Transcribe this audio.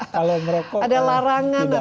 kalau merokok tidak ada